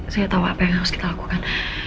saya tahu apa yang harus kita lakukan